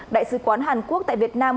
đại sứ quán hàn quốc tại việt nam